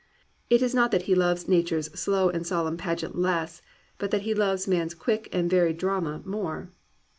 It is not that he loves Nature's slow and solemn pageant less, but that he loves man's quick and varied drama more.